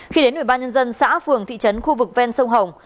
khi đến ubnd xã phường thị trấn khu vực ven sông hồng